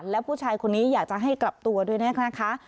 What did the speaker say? และผู้ชายคนนี้อยากจะให้กลับตัวด้วยนะคะ